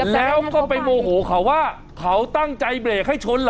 แล้วก็ไปโมโหเขาว่าเขาตั้งใจเบรกให้ชนเหรอ